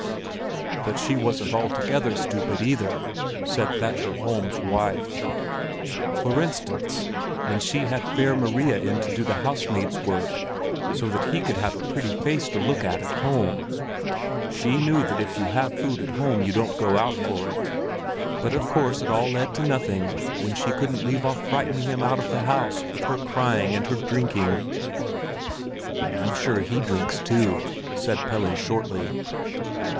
"But she wasn't altogether stupid either," said Thatcher Holm's wife. "For instance when she had Fair Maria in to do housemaid's work, so that he could have a pretty face to look at at home. She knew that if you have food at home you don't go out for it. But of course it all led to nothing when she couldn't leave off frightening him out of the house with her crying and her drinking." "I'm sure he drinks too!" said Pelle shortly.